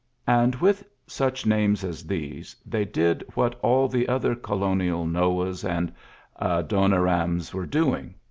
And with Iph names as these they did what all • other colonial Noahs and Adonirams Ire doing.